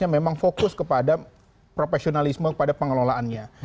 memang fokus kepada profesionalisme kepada pengelolaannya